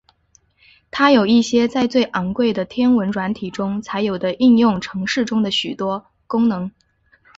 它有一些在最昂贵的天文软体中才有的应用程式中的许多功能。